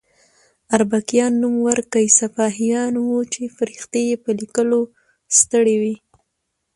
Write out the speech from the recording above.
اربکیان نوم ورکي سپاهیان وو چې فرښتې یې په لیکلو ستړې وي.